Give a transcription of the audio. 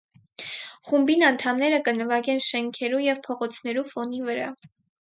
Խումբին անդամները կը նուագեն շէնքերու եւ փողոցներու ֆոնի վրայ։